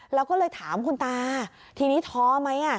แล้วก็เลยถามคุณตาทีนี้ท้อไหม